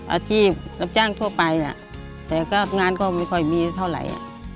อาชีพรับจ้างทั่วไปนะแต่ก็งานก็ไม่ค่อยมีเท่าไหร่